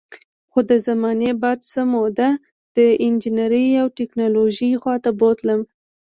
خو د زمانې باد څه موده د انجینرۍ او ټیکنالوژۍ خوا ته بوتلم